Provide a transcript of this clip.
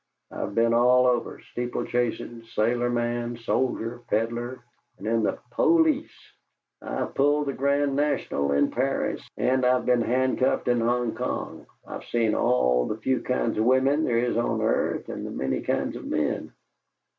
I've been all over, steeple chasin', sailorman, soldier, pedler, and in the PO lice; I've pulled the Grand National in Paris, and I've been handcuffed in Hong Kong; I've seen all the few kinds of women there is on earth and the many kinds of men.